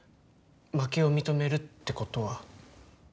負けを認めるってことは。